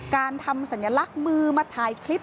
การทำสัญลักษณ์มือมาถ่ายคลิป